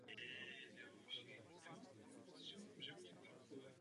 Zde je kromě jiného k vidění tradiční vinařský obřad zavírání a otevírání hory.